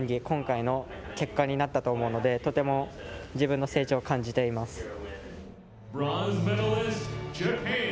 今回の結果になったと思うのでとても、自分の成長を感じています。